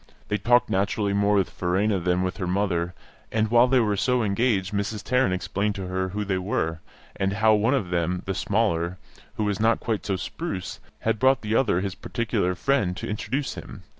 They talked naturally more with Verena than with her mother; and while they were so engaged Mrs. Tarrant explained to her who they were, and how one of them, the smaller, who was not quite so spruce, had brought the other, his particular friend, to introduce him.